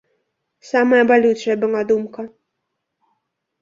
Самая балючая была думка.